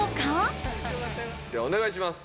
ではお願いします！